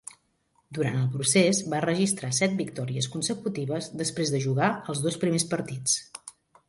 Durant el procés, va registrar set victòries consecutives després de jugar els dos primers partits.